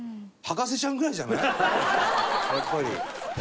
やっぱり。